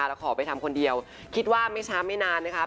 แล้วขอไปทำคนเดียวคิดว่าไม่ช้าไม่นานนะครับ